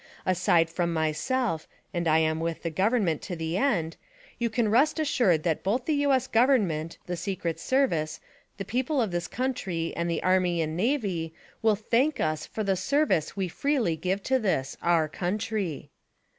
Aside from myself, and I am with the Government to the end, you can rest assured that both the U. S. Government, the Secret Service, the people of this country, and SPY PROOF AMERICA the Army and Navy will thank us for the service we freely give to this — Our Country.